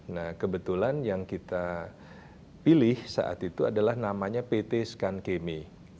nah kebetulan yang kita pilih saat itu adalah namanya pt skankemi